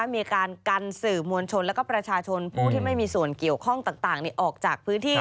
มีการกันสื่อมวลชนแล้วก็ประชาชนผู้ที่ไม่มีส่วนเกี่ยวข้องต่างออกจากพื้นที่